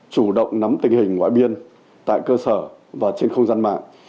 chủ động nắm tình hình ngoại biên tại cơ sở và trên không gian mạng